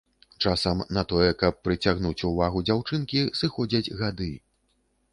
Часам на тое, каб прыцягнуць увагу дзяўчынкі, сыходзяць гады.